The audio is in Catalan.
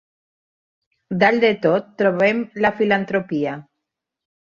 Dalt de tot trobem la filantropia.